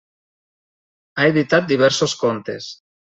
Ha editat diversos contes.